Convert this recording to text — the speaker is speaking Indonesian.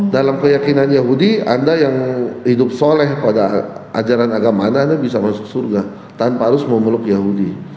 dalam keyakinan yahudi anda yang hidup soleh pada ajaran agama anda bisa masuk surga tanpa harus memeluk yahudi